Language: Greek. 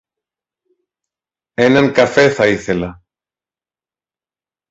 Έναν καφέ θα ήθελα